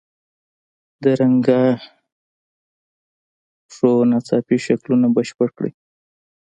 د رنګه خپو ناڅاپي شکلونه بشپړ کړئ.